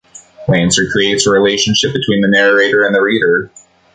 Lanser creates a relationship between the narrator and the reader.